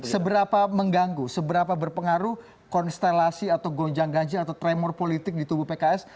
seberapa mengganggu seberapa berpengaruh konstelasi atau gonjang ganjing atau tremor politik di tubuh pks